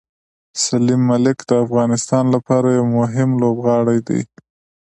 سلیم ملک د افغانستان لپاره یو مهم لوبغاړی دی.